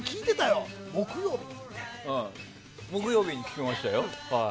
木曜に聞きましたよ。